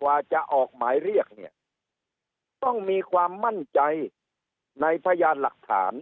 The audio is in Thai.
กว่าจะออกหมายเรียกเนี่ยต้องมีความมั่นใจในพยานหลักฐาน